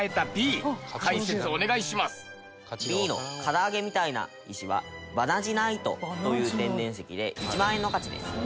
そして皆さんがＢの唐揚げみたいな石はバナジナイトという天然石で１万円の価値です。